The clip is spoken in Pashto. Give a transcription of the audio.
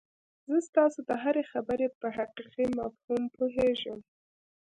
زه ستاسو د هرې خبرې په حقيقي مفهوم پوهېږم.